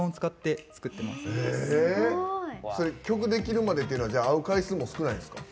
すごい。それ曲できるまでっていうのは会う回数も少ないんですか？